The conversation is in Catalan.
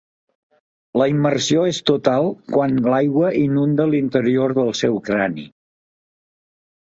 La immersió és total quan l'aigua inunda l'interior del seu crani.